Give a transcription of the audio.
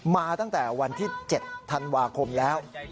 มาตั้งแต่วันที่๗ธันวาคมแล้ว